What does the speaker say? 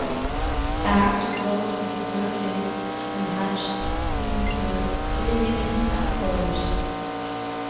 Eggs float on the surface and hatch into free-living tadpoles.